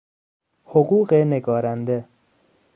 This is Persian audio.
حقوق نگارنده